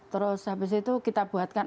terus habis itu kita buatkan